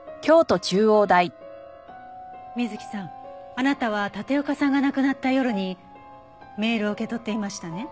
あなたは立岡さんが亡くなった夜にメールを受け取っていましたね？